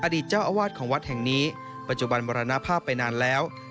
เจ้าอาวาสของวัดแห่งนี้ปัจจุบันมรณภาพไปนานแล้ว